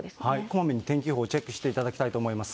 こまめに天気予報をチェックしていただきたいと思います。